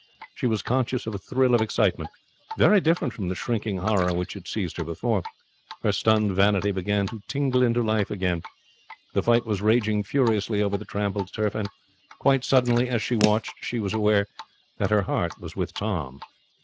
She was conscious of a thrill of excitement, very different from the shrinking horror which had seized her before. Her stunned vanity began to tingle into life again. The fight was raging furiously over the trampled turf, and quite suddenly, as she watched, she was aware that her heart was with Tom.